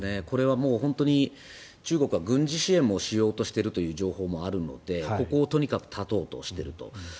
これは本当に中国は軍事支援もしようとしているという情報もあるのでここをとにかく断とうとしていると。